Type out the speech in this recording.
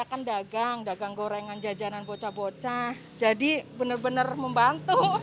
kan dagang dagang gorengan jajanan bocah bocah jadi benar benar membantu